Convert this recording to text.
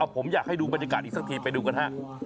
ผมอยากให้ดูบรรยากาศอีกสักทีไปดูกันฮะ